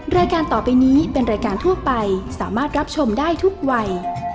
รายการต่อไปนี้เป็นรายการทั่วไปสามารถรับชมได้ทุกวัย